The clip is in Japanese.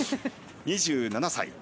２７歳。